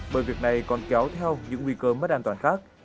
bởi việc này còn kéo theo những nguy cơ mất an toàn khác